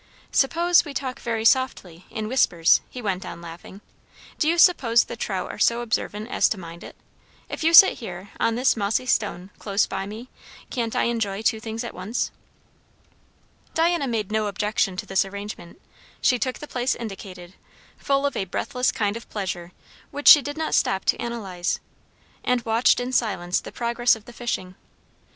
"Suppose we talk very softly in whispers," he went on, laughing. "Do you suppose the trout are so observant as to mind it? If you sit here, on this mossy stone, close by me, can't I enjoy two things at once?" Diana made no objection to this arrangement. She took the place indicated, full of a breathless kind of pleasure which she did not stop to analyze; and watched in silence the progress of the fishing.